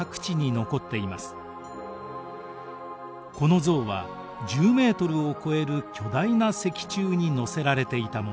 この像は１０ｍを超える巨大な石柱に載せられていたもの。